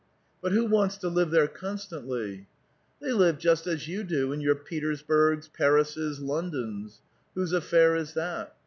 " But who wants to live there constantly?" " They live just as you do in your Petersburgs, Parises, Londons. Whose affair is that?